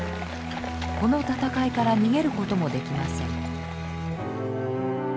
この戦いから逃げることもできません。